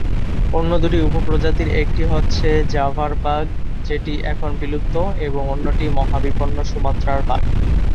অন্য দুটি উপপ্রজাতির একটি হচ্ছে জাভার বাঘ, যেটি এখন বিলুপ্ত এবং অন্যটি মহাবিপন্ন সুমাত্রার বাঘ।